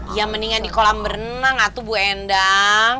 iya mendingan di kolam berenang atuh bu endang